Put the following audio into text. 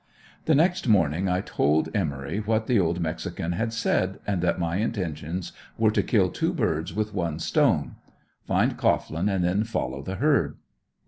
The next morning I told Emory what the old mexican had said and that my intentions were to kill two birds with one stone; find Cohglin and then follow the herd.